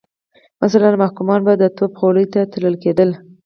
مثلا محکومان به د توپ خولې ته تړل کېدل.